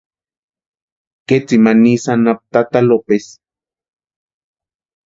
Ketsimani isï anapu tata Lopesi.